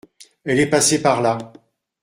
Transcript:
Elle est passée par là.